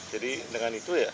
jadi dengan itu